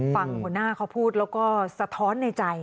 ฟังหัวหน้าเขาพูดแล้วก็สะท้อนในใจ